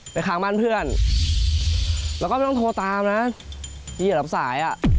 ไปค้างบ้านเพื่อนแล้วก็ไม่ต้องโทรตามนะอย่าหลับสาย